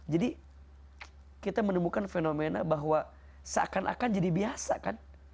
jadi kita menemukan fenomena bahwa seakan akan jadi biasa kan